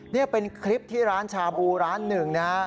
นี่เป็นคลิปที่ร้านชาบูร้านหนึ่งนะฮะ